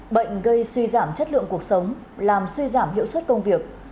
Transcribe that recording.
bệnh gây suy giảm chất lượng cuộc sống làm suy giảm hiệu suất công việc